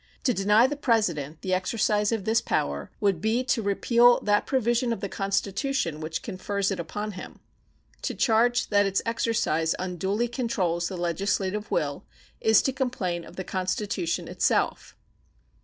To deny to the President the exercise of this power would be to repeal that provision of the Constitution which confers it upon him. To charge that its exercise unduly controls the legislative will is to complain of the Constitution itself.